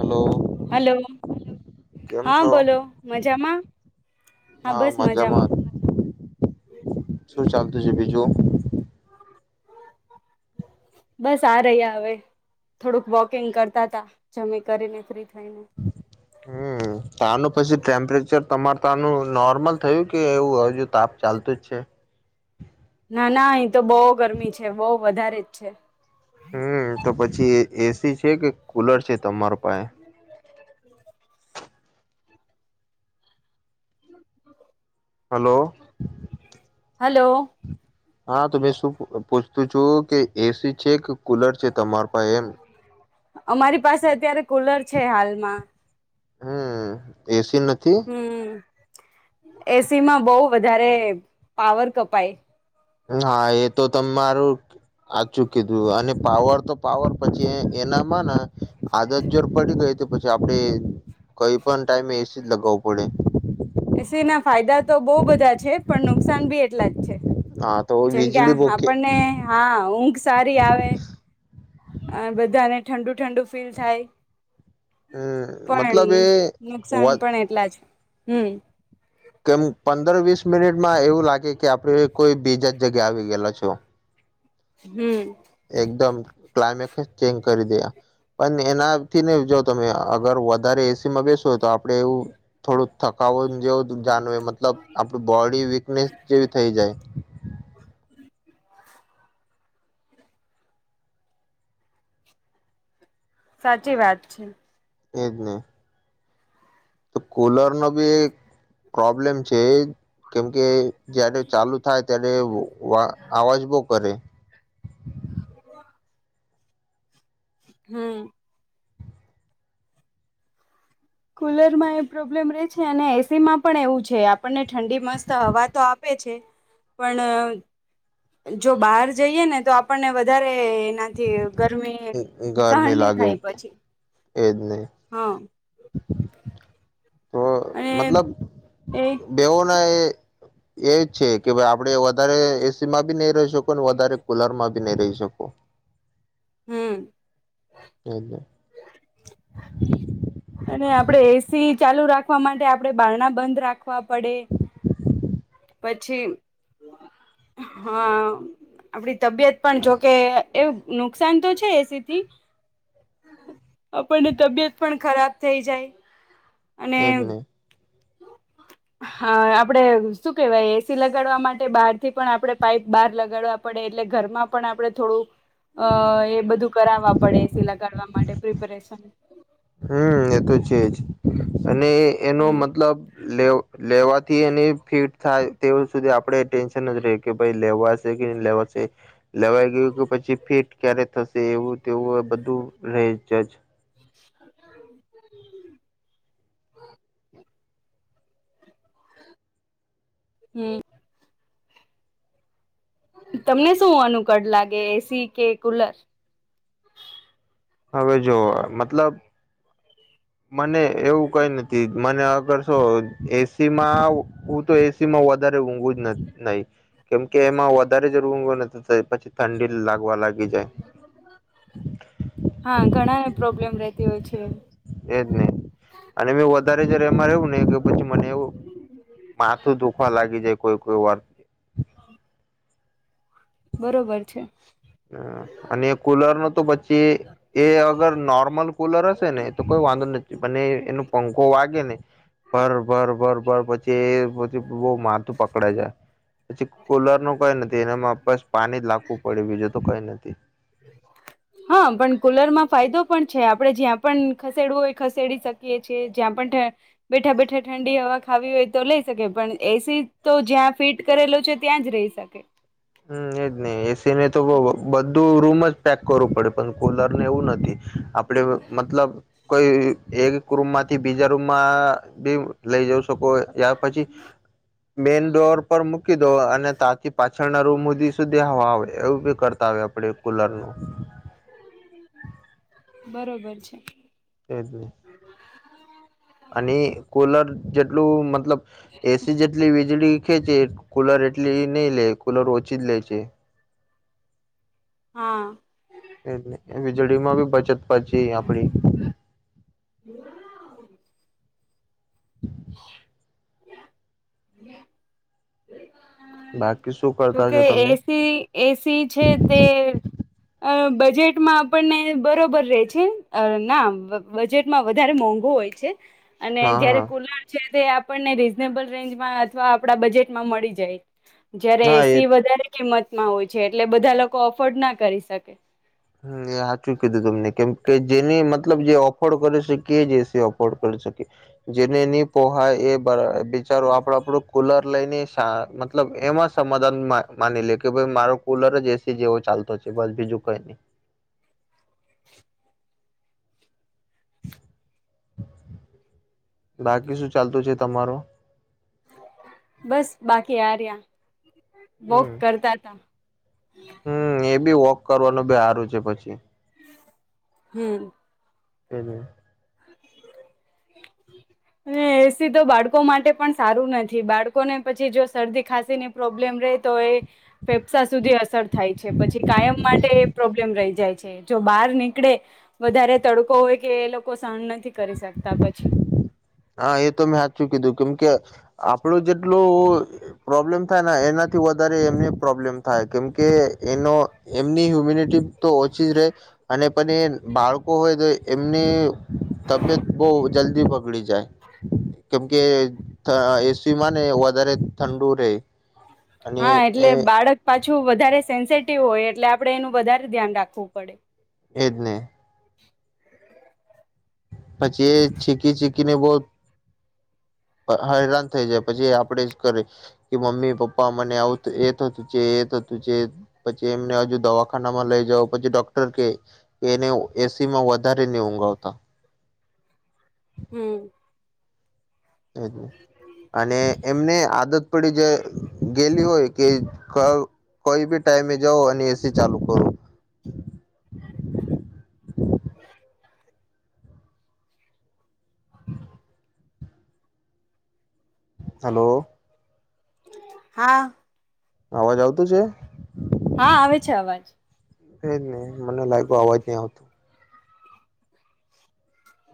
Hello hello. કેમ હા છો? બોલો મજામાં હા મજામાં શું ચાલતું છે બીજું? બસ આ રહી હવે, થોડુંક વોકિંગ કરતા ત જમેી કરીને ફ્રી થઈને હમ તાનું પછી ટેમ્પરેચર તમારે તનું નોર્મલ થયું કે એવું હજુ તપ ચાલતો જ છે? ના ના અહી તો બહુ ગરમી છે બહ વધારે જ છે. હમ તો પછી એ સી છે કે કુલર છે તમારો? ઉપાય? [unintelligible] હલો. હલો. હા તો મે શું પૂછતું છું કે એ સી છે કે કુલર છે તમાર પાસે એમ? અમારી પાસે અત્યારે કુલર છે હાલમાં. હમ એ સી નથી? એ સીમા બહ વધારે પાવર કપાય. હા એ તો તરું આચું કીધું અને પાવર તો પાવર પછી એનામાં આદત જોર પડી ગઈ. પછી આપણે કઈ પણ ટાઈમે એ સી જ લગાવવું પડે. એ સીના ફાયદા તો બહુ બધા છે પણ નુકસાન બી એટલા જ. હા તો જેમ કે વીજળી બોકે આપણને હા ઊંઘ સારી આવે. આ બધાને ઠંડુ ઠંડુ ફીલ થાય. હમ પણ મતલબ એ નુકસાન વાત પણ એટલા જ. હમ્મ. કેમ પંદર વીસ મિનિટમાં એવું લાગે કે આપડે કોઈ બીજા જ જગ્યા આવી ગયેલા છો. હમ્મ. એકદમ ક્લાયમેટ ચેન્જ કરી દે આ પણ એના થીને જો તમે અગર વધારે એસી માં બે સો તો આપડે એવું થોડું થકાવ જેવો જાણવે મતલબ આપણ બોડી વીકનેસ જેવી થઈ જાય. સાચી વાત છે. તેજને. તો કુલર નો બી એક પ્રોબ્લેમ છે એ કેમકે જય્યારે ચાલુ થાય ત્યારે અવાજ બો કરે. [unintelligible] હમ્મ. કુલર માં એ પ્રોબ્લેમ રે છે અને એસી માં પણ એવું છે આપણને ઠંડી મસ્ત હવા તો આપે છે. પણ જો બહાર જઈએ ને તો આપણને વધારે એ એનાથી ગરમી સહન ગરમી નહી લાગે થાય પછી એજ ને હા. તો અને મતલબ એ બેવો. હા એ છે કે ભાઈ આપણે વધારે એસી માં ભી નહી રહી શકો ને વધારે કુલર માં ભી નહી રહી શકો. હમ્મ. [inaudible] ને આપણે એસી ચાલુ રાખવા માટે આપડે બારણા બંધ રાખવા પડે પછી હા આપડી તબિયત પણ જોકે એ એવું નુકસાન તો છે એ સી થી. આપણને તબિયત પણ ખરાબ થઈ જાય. અને એમને. હા આપડે શું કેવાય એસી લગાડવા માટે બહાર થી પણ આપડે પાઈપ બહાર લગાડવા પડે એટલે ઘરમાં પણ આપડે થોડું અ એ બધું કરાવવા પડે એસી લગાડવા માટે પ્રિપરેશન. હમ એ તો છે જ અને એનો હમ મતલબ લેવો લેવાથી એની ફીટ થાય તેવ સુધી આપડે ટેન્શન જ રે કે ભાઈ લેવાશે કે ન લેવાશે લેવાઈ ગયું કે પછી ફીટ ક્યારે થશે એવું તેવું બધું રહે જજ. હમ્મ. તમને શું અનુકળ લાગે એસી કે કુલર. હવે જોવ મતલબ. મને એવું કઈ નથી મને અગર શું એ સી માં હું તો એ સી માં વધારે ઊંઘું જ ન નહી કેમકે એમાં વ વધારે જ [unintelligible] નથી થઈ પછી ઠંડી લાગવા લાગી જાય. હા ઘણાને પ્રોબ્લેમ રહેતી હોય છે. એજ નહી, અને મે વધારે જારે એમાં રહેવું ને કે પછી મને એવું, માથું દુખવા લાગી જાય કોઈ કોઈ વાર. બરોબર છે. હ અને એ કુલર નો તો પછી એ અગર નોર્મલ કુલર હશે ને તો કોઈ વાંધો નથી અને એનો પંખો વાગે ને. બ ભર બર ભર પછી એ પછી બહ માથું પકડાય જાય. પછી કુલર નું કઈ નથી એનામાં બસ પાણી જ લાખવું પડ્યું બીજું તો કઈ નથી હા, પણ કુલરમાં ફાયદો પણ છે, આપણે જ્યાં પણ ખસેડવું હોય ખસેડી શકીએ છીએ, જ્યાં પણ બેઠા, બેઠા, ઠંડી હવા ખાવી હોય તો લઈ શકીએ પણ એસી તો જ્યાં ફીટ કરેલોછે, ત્યાં જ રહી શકે હમ એજ ને, એસી ને તો બધું રૂમ જ પેક કરવું પડે પણ કુલર ને એવું નથી આપણે મતલબ કોઈ એક રૂમમાંથી બીજા રૂમમાં બી લઈ જઉ શકો ત્યાર પછી, મેન ડોર પર મૂકી દો અને તાથી પાછી થનારું મોદી સુધી [unintelligible] હ આવી આવ એવું બી કરતા આવે આપડે કુલર નું બરોબર છે એ જ ને અને કૂલર જેટલું મતલબ એસી જેટલી વીજળી ખેંચે કૂલર એટલી નહી લે કૂલર ઓછી જ લે છે હા એ, વીજળીમાં બી બચત પછી આપડી [unintelligible] બાકી શું કરતા જોકે, છો તમે? એસી, એસી છે તે અ બજેટમાં આપણને બરોબર રહે છે, ના, બજેટમાં વધારે મોંઘો હોય છે અને હા જયારે હા કુલર છે તે આપણને રીઝનેબલ રેન્જમાં અથવા આપણા બજેટમાં મળી જાય જયારે હા એ એસી વધારે કિંમતમાં હોય છે એટલે બધા લોકો અફોર્ડ ના કરી શકે હમ, એ હાચું કીધું તમને કેમ કે જેને મતલબ જે ઓફોર્ડ કરી શકીએ જે એસી ઓફોર્ડ કરી શકે, જેને ની પોહાય એ બિચારો આપડ આપડો કુલર લઈને મતલબ એમાં સમાધાનમાં માની લે કે ભાઈ મારો કુલર જ એસી જેવો ચાલતો છે, બસ બીજું કઈ નહી બાકી શું ચાલતું છે, તમારો બસ બાકી આર્યા હમ, હમ, એ બી વોક કરવાનું બહુ હારું છે, પછી હમ, હમ એસી તો બાળકો માટે પણ સારું નથી, બાળકોને પછી જો શરદી ખાંસી ની પ્રોબ્લેમ રે તો એ ફેફસા સુધી અસર થાય છે પછી કાયમ માટે એ પ્રોબ્લેમ રહી જાય છે જો બહાર નીકળે વધારે તડકો હોય કે એ લોકો સન નથી કરી શકતા પછી હા એ તો મેં સાચું કીધું કેમ કે આપણો જેટલું પ્રોબ્લેમ થાય ને એનાથી એમને પ્રોબ્લેમ થાય કેમ કે એનો એમની હ્યુમિનિટી તો ઓછી જ રહે અને પણ એ બાળકો હોય તો એમની તબિયત બહુ જલ્દી બગડી જાય. કેમ કે અ એસીમાં ને વધારે ઠંડુ રહે. અને હા એટલે એ બાળક પાછી છું વધારે સેન્સટિવ હોય એટલે આપણે એનું વધારે ધ્યાન રાખવું પડે એદને પછી એ ચીકી છીકીને બહુ હેરાન થઈ જાય પછી એ આપડે જ કરીે કે મમ્મી પપ્પા મને આવું એ થતું છે એ થતું છે. પછી એમને હજુ દવાખાનામાં લઈ જાવ પછી ડોક્ટર કે એને એસીમાં વધારે નહી ઊંઘાવતા. હમ. અને એમને આદત પડી જે ગેલી હોય. કે ક કોઈ બી ટાઈમે જાવ અને એસી ચાલુ કરું હ [unintelligible] [inaudible] હલો હા અવાજ આવતો છે. હા આવે છે અવાજ. એજ ને મને લાગ્યું અવાજ નહી આવતું.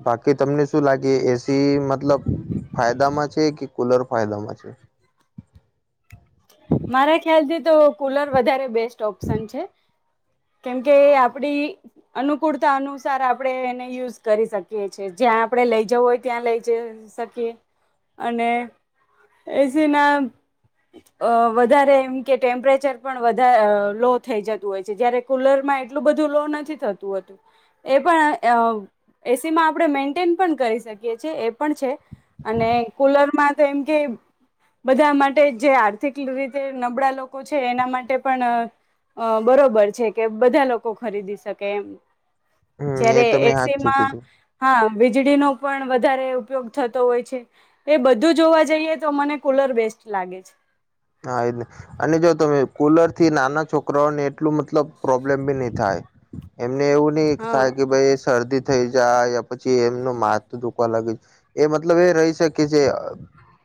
બાકી તમને શું લાગે એ... તે મતલબ.... ફાયદામાં છે કે કુલર ફાયદામાં છે. મારા ખ્યાલ થી તો કુલર વધારે બેસ્ટ ઓપ્શન છે. કેમકે આપડી અનુકૂળતા અનુસાર આપણે એને યુઝ કરી શકીએ છેએ જ્યાં આપણે લઈ જવું હોય ત્યાં લઈ જ શકીએ અને એસી ના અ વધારે એમ કે ટેમ્પરેચર પણ વધારે અ લો થઈ જતું હોય છે જયારે. કુલરમાં એટલું બધું લો નથી થતું હતું, એ પણ એસીમાં આપણે મેન્ટેન પણ કરી શકીએ છેએ એ પણ છે, અને કૂલરમાં તો એમ કે બધા માટે જે આર્થિક રીતે નબળા લોકો છે એના માટે પણ અ બરોબર છે કે બધા લોકો ખરીદી શકે એમ. હમ જ્યારે એ તો મેં હાથ એસી ચૂકી માં તું હા. વીજળીનો પણ વધારે ઉપયોગ થતો હોય છે એ બધું જોવા જઈએ તો મને કુલર બેસ્ટ લાગે છે. હા એ અને જો તમે કુલર થી નાના છોકરાઓને એટલું મતલબ પ્રોબ્લેમ બી નહી થાય. એમને એવું નહી થાય કે હા ભાઈ શરદી થ જાય યા પછી એમનો માથ દુખવા લાગી એ મતલબ એ રહી શકે છે અ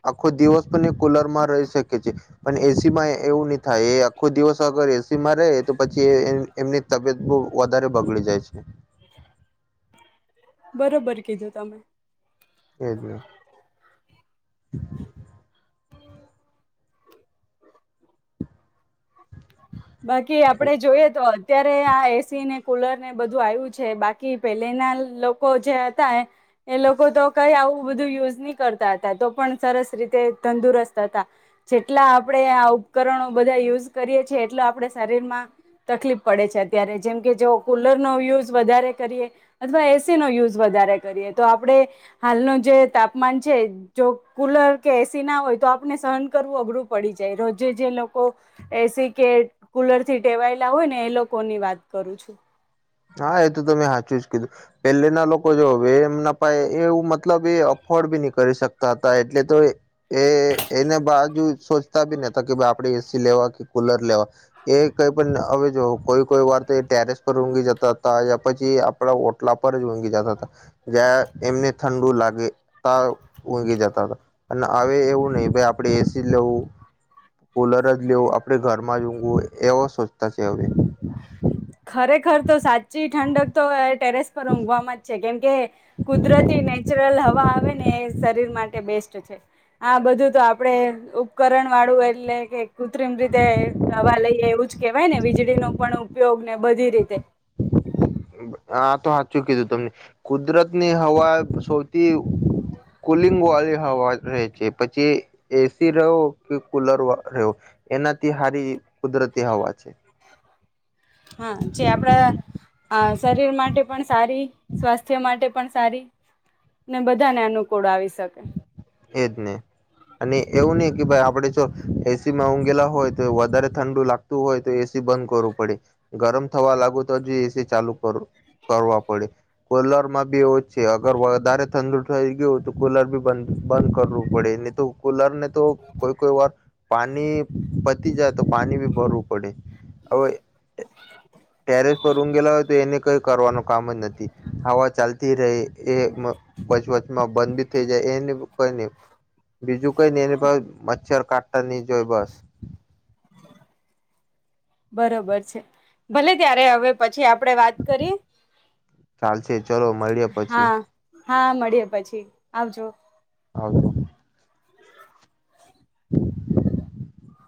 આખો દિવસ પણ એ કુલર માં રહી શકે. પણ એસીમાં એવું નહી થાય એ આખો દિવસ અગર એસી માં રહે તો પછી એ એમની તબિયત બહુ વધારે બગડી જાય છે. બરોબર કીધું તમે એજને. બાકી આપડે જોઈએ તો.. અત્યારે આ એસી ને કુલર ને બધું આવ્યું છે બાકી પહેલેના લોકો જે હતા એ લોકો તો કઈ આવું બધું યુઝ નહીં કરતા હતા તો પણ સરસ રીતે તંદુરસ્ત હતા જેટલા આપણે આ ઉપકરણો બધા યુઝ... કરીએ છેએ એટલે આપણે શરીરમાં તકલીફ પડે છે અત્યારે જેમ કે જો કુલરનો યુઝ વધારે કરીએ અથવા એસી નો યુઝ વધારે કરીએ તો આપણેે હાલનું જે તાપમાન છે જો કુલર કે એસી ના હોય તો આપણે સહન કરવું અઘરું પડી જાય રોજે જે લોકો એસી કે કુલર થી ટેવાયેલા હોય ને એ લોકો ની વાત કરું છું. હા, એ તો ત મેં સાચું જ કીધું, પેલેના લોકો જો એમ નપાય એવું મતલબ એ અફોર્ડ બી નહી કરી શકતા હતા એટલે તો એ એને બાજુ સોચતા બી નતા કે ભાઈ આપડે એસી લેવા કે કુલર લેવા એ કઈ પણ હવે જો કોઈ કોઈ વાર તો એ ટેરેસ પર ઊઘી જતા હતા પછી આપડા ઓટલા જ ઉઘી જતા હતા જ્યાં એમને ઠંડુ લાગે તા ઊઘી જતા હતા અને હવે એવું નહી આપણે એસી લેવું કોલર જ લેવ આપણે ઘરમાં ઊઘું એવો સોચતા છે હવે રે ખર તો સાચી ઠંડક તો ટેરેસ ઘવામાં જ છે કેમ કે કુદરતી નેચરલ હવા હ ને એ શરીર માટે બેસ્ટ છે આ બધું તો આપણેે ઉપકરણ વાળું એટલે કે કૃત્રિમ રીતે દવા લઈએ એવું જ કેવાય ને વીજળી નું પણ ઉપયોગ બધી રીતે આા તો સાચું કીધું તમને કુદરતની હવા સૌથી કુલિંગ વાળી હવા રહે છે પછી એસી રહો કે કુલર રહવો એનાથી સારી કુદરતી હવા છે હા જે આપડા હ શરીર માટે પણ સારી સ્વાસ્થ્ય માટે પણ સારી ને બધાને અનુકૂળ આવી શકે એજ નહી અને એવું નહી કે ભાઈ આપણેે જો એસીમાં ઊંઘેલા હોય તો વધારે ઠંડુ લાગતું હોય તો એસી બંધ કરવું પડે ગરમ થવા લાગુ તો જ એસી ચાલુ કર કરવા પડે કુલરમાં બી એવો જ છે અગર વધારે ઠંડુ થઈ ગયું તો કુલર બી બંધ બંધ કરવું પડે ને તો કુલર ને તો કોઈ કોઈ વાર પાણી પા પતી જાય તો પાણી ભી ભર હવે ટેરેસ પર રૂમ ગેલા હોય તો એને કઈ કરવાનું કામ જ નથી હવા ચાલતી રહી એ વચવચમાં બંધ થઈ જાય એન કઈ લેવ બીજું કઈ એને મચ્છર કાટતાની જય બસ બરોબર છે ભલે ત્યારે હવે પછી આપ આપડે વાત કરી ચાલશે ચલો મળીએ પછી હા હા મળીએ પછી આવજો. હ [inaudible]